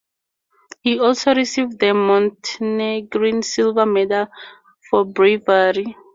He also received the Montenegrin Silver Medal for Bravery.